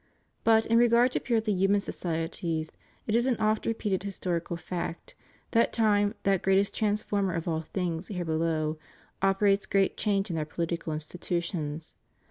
... But, in regard to purely human societies, it is an oft repeated historical fact that time, that great transformer of all things here below, operates great changes in their political institutions.